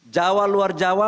jawa luar jawa